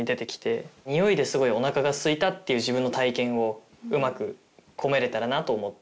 においですごいおなかがすいたっていう自分の体験をうまく込めれたらなと思って。